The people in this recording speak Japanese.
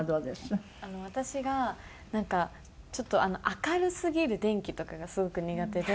私がなんかちょっと明るすぎる電気とかがすごく苦手で。